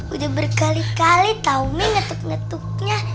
udah berkali kali tau nih ketuk ketuknya